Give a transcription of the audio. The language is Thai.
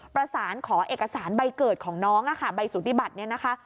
ประสานขอเอกสารใบเกิดของน้องใบสุติบัติเนี่ยนะคะ